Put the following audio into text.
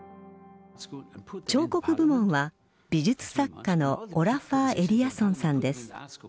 彫刻部門は美術作家のオラファー・エリアソンさんです。